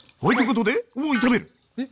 えっ？